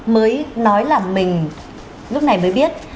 mới nói là mình lúc này mới biết